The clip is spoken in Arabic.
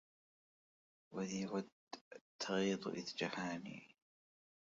وذي ود تغيظ إذ جفاني